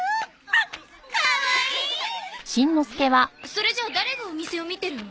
それじゃあ誰がお店を見てるの？